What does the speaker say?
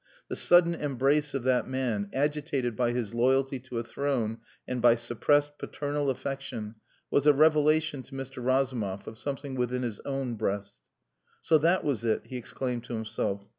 The sudden embrace of that man, agitated by his loyalty to a throne and by suppressed paternal affection, was a revelation to Mr. Razumov of something within his own breast. "So that was it!" he exclaimed to himself.